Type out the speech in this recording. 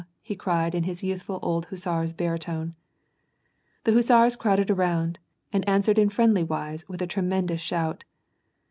" he cried in his youthful old hussar's baritone. The hussars crowded around, and answered in friendly wise with a tremendous shout.